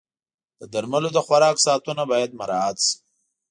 د درملو د خوراک ساعتونه باید مراعت شي.